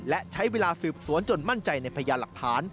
และใช้เวลาสืบสวนจนมั่นใจในพยานหลักฐาน